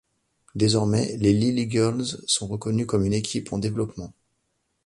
Désormais les Lille Eagles sont reconnus comme une équipe en développement.